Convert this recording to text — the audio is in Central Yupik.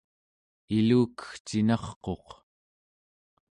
ilukegcinarquq